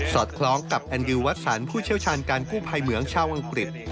อดคล้องกับแอนดิวัสสันผู้เชี่ยวชาญการกู้ภัยเหมืองชาวอังกฤษ